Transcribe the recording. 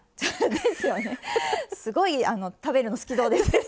すごい食べるの好きそうです。